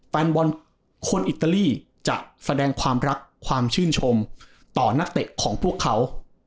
แฟนบอลคนอิตาลีจะแสดงความรักความชื่นชมต่อนักเตะของพวกเขา